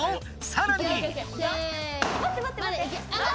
さらに。